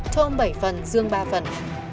tom bảy phần dương ba phần